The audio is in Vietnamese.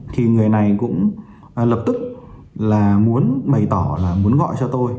thì người này cũng lập tức là muốn bày tỏ là muốn gọi cho tôi